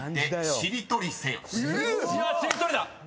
しりとりだ！